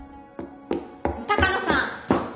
鷹野さん！